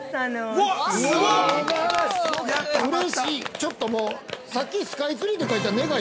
ちょっと、もう、さっきスカイツリーで書いた願い